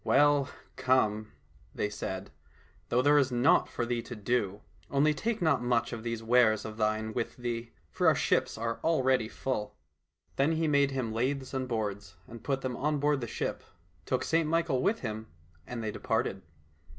" Well, come," they said, " though there is naught for thee to do ; only take not much of these wares of thine with thee, for our ships are already full." — Then he made him laths and boards, put them on board the ship, took St Michael with him, and they departed.